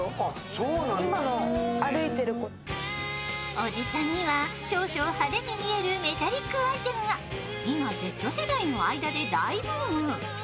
おじさんには少々派手に見えるメタリックアイテムが今、Ｚ世代の間で大ブーム。